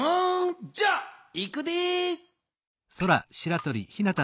じゃあいくで。